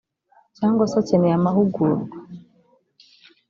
cyangwa se akeneye amahugurwa